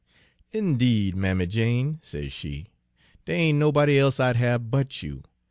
"''Deed, Mammy Jane,' says she, 'dere ain' nobody e'se I'd have but you.